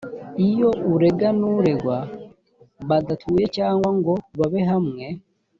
iyo urega n’uregwa badatuye cyangwa ngo babe hamwe